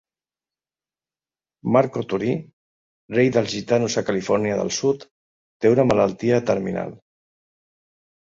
Marco Torí, rei dels gitanos a Califòrnia del sud, té una malaltia terminal.